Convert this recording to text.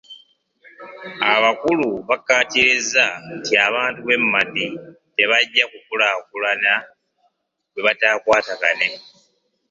Abakulu bakkaatiriza nti abantu b'e Madi tebajja kukulaakulana bwe bataakwatagane.